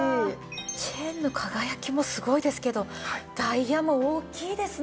チェーンの輝きもすごいですけどダイヤも大きいですね！